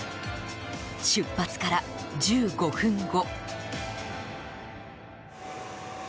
出発から１５分後。